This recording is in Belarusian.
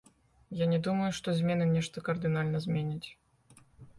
Я не думаю, што змены нешта кардынальна зменяць.